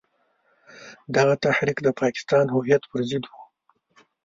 دغه تحریک د پاکستان هویت پر ضد وو.